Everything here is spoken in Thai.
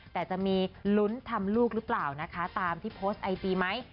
แต่จะมีลุ้นทำลูกหรือเปล่านะคะตามที่โพสต์ไอจีไหม